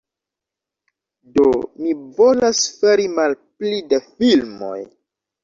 Do mi volas fari malpli da filmoj